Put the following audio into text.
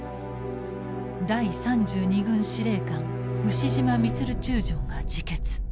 第３２軍司令官牛島満中将が自決。